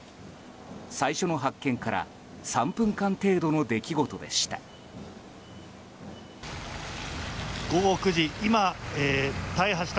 最初の発見から３分間程度の出来事でした。